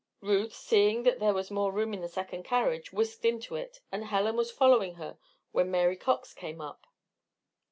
Ruth, seeing that there was more room in the second carriage, whisked into it, and Helen was following her when Mary Cox came up.